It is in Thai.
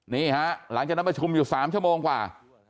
นี่ฮะหลังจากนั้นประชุมอยู่๓ชั่วโมงกว่า